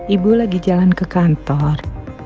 ibu lagi jalan ke kantor